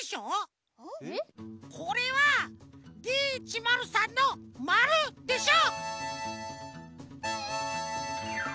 これはＤ１０３の「０」でしょ！